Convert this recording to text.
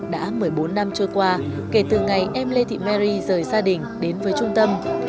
đã một mươi bốn năm trôi qua kể từ ngày em lê thị meri rời gia đình đến với trung tâm